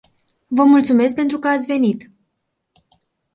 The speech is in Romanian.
Vă mulțumesc pentru că ați venit.